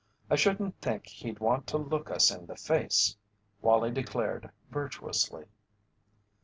I shouldn't think he'd want to look us in the face," Wallie declared, virtuously.